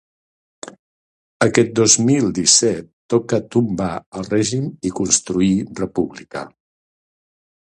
Aquest dos mil disset toca tombar el règim i construir república.